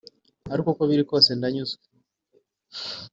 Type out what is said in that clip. ariko uko biri kose ndanyuzwe